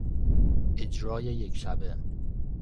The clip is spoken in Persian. اجرای یکشبه